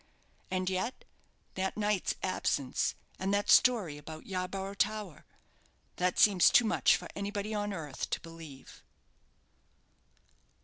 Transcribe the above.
And yet that night's absence, and that story about Yarborough Tower that seems too much for anybody on earth to believe."